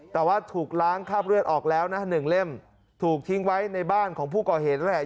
แต่ว่าถูกล้างคราบเลือดออกแล้วนะหนึ่งเล่มถูกทิ้งไว้ในบ้านของผู้ก่อเหตุนั่นแหละ